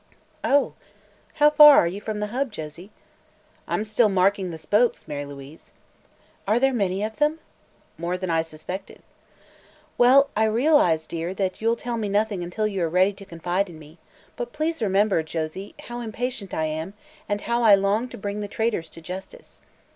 "Oh. How far are you from the hub, Josie?" "I'm still marking the spokes, Mary Louise." "Are there many of them?" "More than I suspected." "Well, I realize, dear, that you'll tell me nothing until you are ready to confide in me; but please remember, Josie, how impatient I am and how I long to bring the traitors to justice."